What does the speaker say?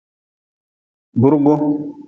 Burgu.